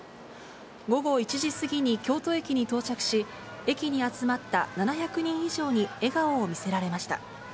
午後１時過ぎに京都駅に到着し、駅に集まった７００人以上に笑顔を見せられました。